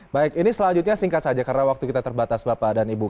baik ini selanjutnya singkat saja karena waktu kita terbatas bapak dan ibu